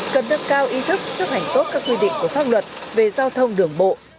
cần được cao ý thức chấp hành tốt các quy định của pháp luật về giao thông đường bộ